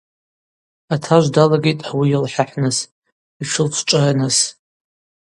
Атажв далагитӏ ауи йылхӏахӏныс, йтшылчӏвчӏварныс.